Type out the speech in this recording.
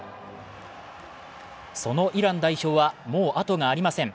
そのイラン代表は、もうあとがありません。